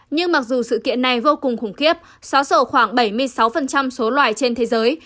nhưng mặc dù sự kiện này vô cùng khủng khiếp xóa sổ khoảng bảy mươi sáu số loài trên thế giới